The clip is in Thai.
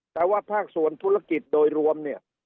แต่ว่าภาคส่วนธุรกิจโดยรวมเนี่ย